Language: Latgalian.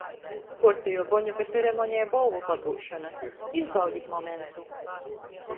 Kuortejuo Boņuka ceremoneja i bolvu padūšona. Izbaudit momentu.